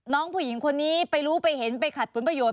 น้องผู้หญิงคนนี้ไปรู้ไปเห็นไปขัดผลประโยชน